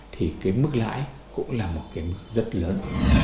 thì cái mức lãi cũng là một cái mức rất lớn